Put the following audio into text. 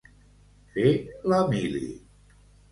Fer la «mili».